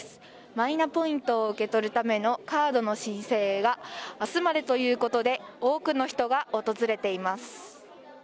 マイナポイントを受け取るためのカードの申請が、あすまでということで、多くの人が訪れています。